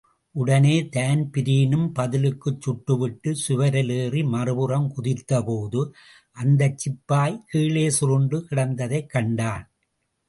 உடனே தான்பிரீனும் பதிலுக்குச் சுட்டுவிட்டுச் சுவரிலேறி மறுபுறம் குதித்தபோது அந்தச் சிப்பாப் கீழே சுருண்டு கிடந்ததைக் கண்டான்.